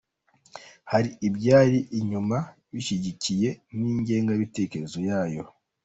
Hari abayiri inyuma bashyigikiye n’ingengabitekerezo yayo.